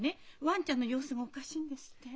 ワンちゃんの様子がおかしいんですって。